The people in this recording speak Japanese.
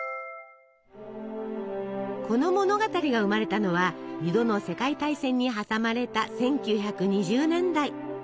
この物語が生まれたのは２度の世界大戦に挟まれた１９２０年代。